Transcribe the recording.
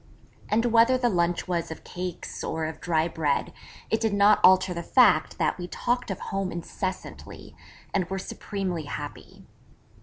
And whether the lunch was of cakes, or of dry bread, it did not alter the fact that we talked of home incessantly; and were supremely happy.